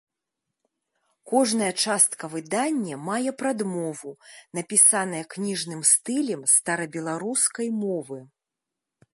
Кожная частка выдання мае прадмову, напісаная кніжным стылем старабеларускай мовы.